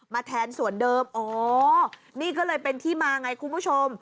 แทนส่วนเดิมอ๋อนี่ก็เลยเป็นที่มาไงคุณผู้ชม